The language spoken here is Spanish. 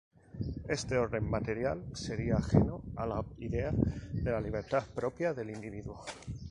Este orden material sería ajeno a la idea de la libertad propia del individuo.